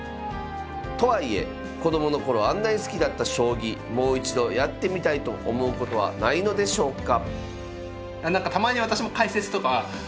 とはいえ子供の頃あんなに好きだった将棋もう一度やってみたいと思うことはないのでしょうか。